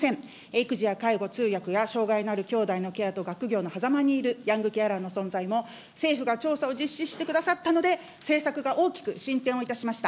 育児や介護、通訳や障害のあるきょうだいのケアと学業のはざまにある、ヤングケアラーの存在も、政府が調査を実施してくださったので、政策が大きく進展をいたしました。